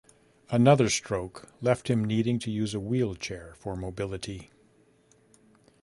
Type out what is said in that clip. Another stroke left him needing to use a wheelchair for mobility.